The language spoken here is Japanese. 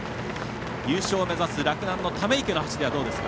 優勝を目指す洛南の溜池の走りはどうですか？